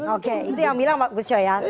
oke itu yang bilang pak gusjo ya